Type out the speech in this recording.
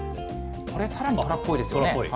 これ、さらに虎っぽいですよね。